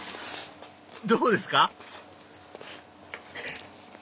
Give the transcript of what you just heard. どうですか？